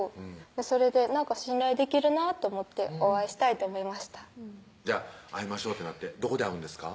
それで信頼できるなと思ってお会いしたいと思いましたじゃあ会いましょうってなってどこで会うんですか？